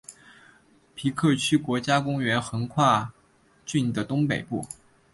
皮克区国家公园横跨郡的东北部。